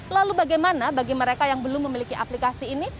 lalu bagaimana bagi mereka yang belum memiliki aplikasi ini